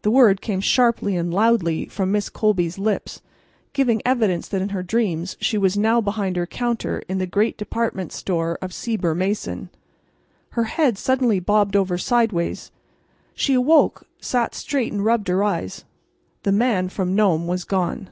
The word came sharply and loudly from Miss Colby's lips, giving evidence that in her dreams she was now behind her counter in the great department store of Sieber Mason. Her head suddenly bobbed over sideways. She awoke, sat straight, and rubbed her eyes. The Man from Nome was gone.